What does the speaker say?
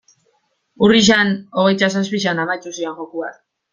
Urriaren hogeita zazpian amaitu ziren jokoak.